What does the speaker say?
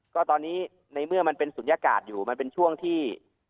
ก็ตอนนี้ในเมื่อมันเป็นศูนยากาศอยู่มันเป็นช่วงที่